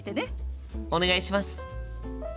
お願いします！